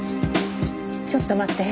ちょっと待って。